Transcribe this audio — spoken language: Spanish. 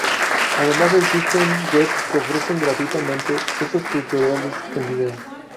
Además existen webs que ofrecen gratuitamente estos tutoriales en video.